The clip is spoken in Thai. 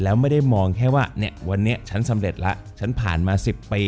แล้วไม่ได้มองแค่ว่าวันนี้ฉันสำเร็จแล้วฉันผ่านมา๑๐ปี